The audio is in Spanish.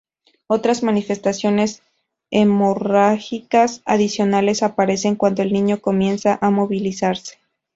Otras manifestaciones hemorrágicas adicionales aparecen cuando el niño comienza a movilizarse.